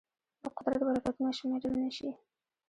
د قدرت برکتونه شمېرل نهشي.